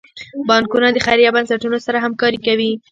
بانکونه د خیریه بنسټونو سره همکاري کوي.